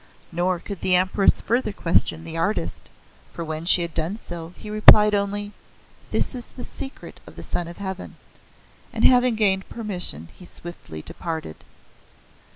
Nor could the Empress further question the artist, for when she had done so, he replied only: "This is the secret of the Son of Heaven," and, having gained permission, he swiftly departed.